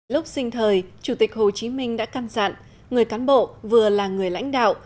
lúc sinh thời chủ tịch hồ chí minh đã căn dặn người cán bộ vừa là người lãnh đạo